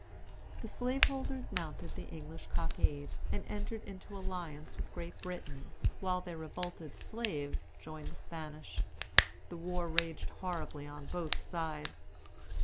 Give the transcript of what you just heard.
The slaveholders mounted the English cockade, and entered into alliance with Great Britain, while their revolted slaves joined the Spanish. The war raged horribly on both sides.